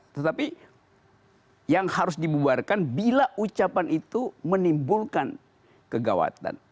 tetapi yang harus dibubarkan bila ucapan itu menimbulkan kegawatan